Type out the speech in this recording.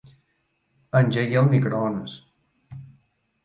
Engega el microones.